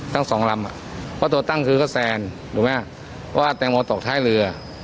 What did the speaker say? ทั้งสองลำอ่ะเพราะตัวตั้งคือก็แซนถูกไหมว่าแตงโมตกท้ายเรือ